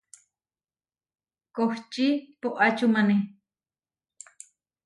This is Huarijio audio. Kohčí poʼačúmane.